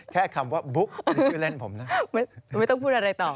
คำว่าบุ๊กหรือชื่อเล่นผมนะไม่ต้องพูดอะไรต่อ